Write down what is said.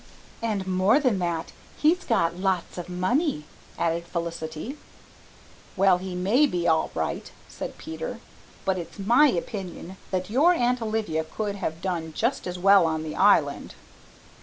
"And more than that, he's got lots of money," added Felicity. "Well, he may be all right," said Peter, "but it's my opinion that your Aunt Olivia could have done just as well on the Island."